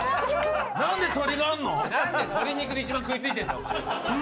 何で鶏があんの？